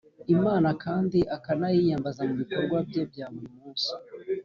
imana kandi akanayiyambaza mu bikorwa bye bya buri munsi.